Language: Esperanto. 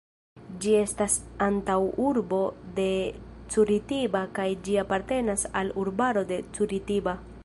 Ĝi estas antaŭurbo de Curitiba kaj ĝi apartenas al urbaro de Curitiba.